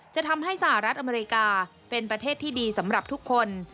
จะทำให้สหรัฐอเมริกาเป็นประเทศที่ดีสำหรับทุกคน